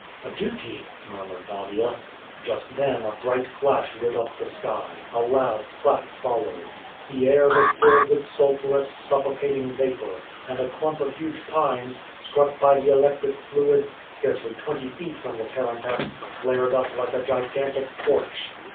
"A duty!" murmured Nadia. Just then a bright flash lit up the sky; a loud clap followed. The air was filled with sulphurous suffocating vapor, and a clump of huge pines, struck by the electric fluid, scarcely twenty feet from the tarantass, flared up like a gigantic torch.